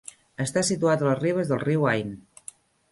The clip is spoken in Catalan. Està situat a les ribes del riu Ain.